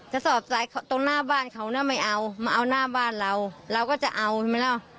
กระสอบทรายตรงหน้าบ้านเขานะไม่เอามาเอาหน้าบ้านเราเราก็จะเอาใช่ไหมเนอะ